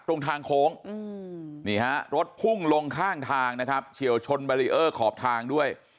ตรงทางโค้งนี่ฮะรถพุ่งลงข้างทางนะครับเฉียวชนบารีเออร์ขอบทางด้วย